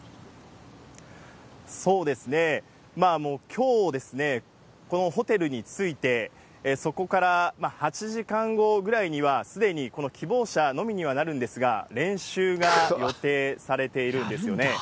そうですね、きょう、このホテルに着いて、そこから８時間後ぐらいにはすでにこの希望者のみにはなるんですが、練習が予定されているんですよね。